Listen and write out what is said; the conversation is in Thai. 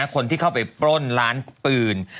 คนที่เข้าไปปล้นร้านปืน